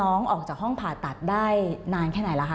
น้องออกจากห้องผ่าตัดได้นานแค่ไหนคะ